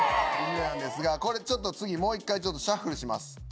これちょっと次もう１回シャッフルします。